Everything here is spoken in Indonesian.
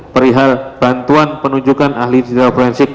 perihal bantuan penunjukan ahli digital forensik